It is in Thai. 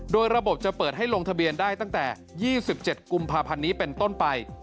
โดยระบบจะเปิดให้ลงทะเบียนได้ตั้งแต่๒๗กุมภาพันธ์นี้เป็นต้นไป